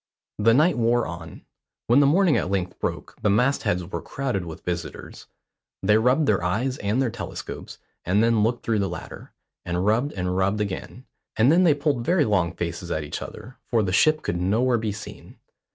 The night wore on. When the morning at length broke the mast heads were crowded with visitors. They rubbed their eyes and their telescopes, and then looked through the latter, and rubbed and rubbed again; and then they pulled very long faces at each other, for the ship could nowhere be seen.